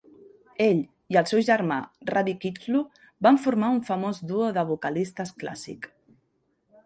Ell i el seu germà, Ravi Kichlu, van formar un famós duo de vocalistes clàssic.